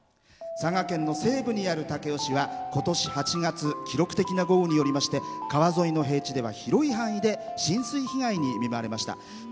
佐賀県の西部にある武雄市はことし８月記録的な豪雨によりまして川沿いの平地では広い範囲で浸水被害に見舞われました。